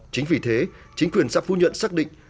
chính vì thế chính quyền xã phú nhuận xác định